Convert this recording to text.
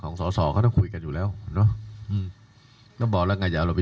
ของส่ศของส่นะบอกว่าแล้วอย่าเอาล่ะ